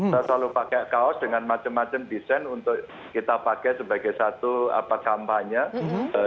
saya selalu pakai kaos dengan macam macam desain untuk kita pakai sebagai satu kampanye